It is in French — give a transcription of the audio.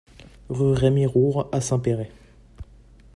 Rue Rémy Roure à Saint-Péray